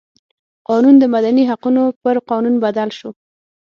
قانون د مدني حقونو پر قانون بدل شو.